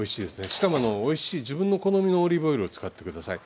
しかもおいしい自分のお好みのオリーブオイルを使って下さい。